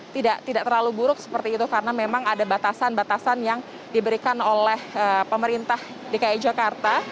tidak terlalu buruk seperti itu karena memang ada batasan batasan yang diberikan oleh pemerintah dki jakarta